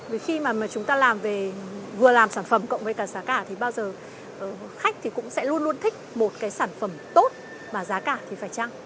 vì khi mà chúng ta làm về vừa làm sản phẩm cộng với cả giá cả thì bao giờ khách thì cũng sẽ luôn luôn thích một cái sản phẩm tốt mà giá cả thì phải chăng